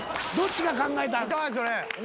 どっちが考えた。